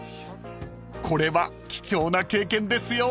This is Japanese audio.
［これは貴重な経験ですよ］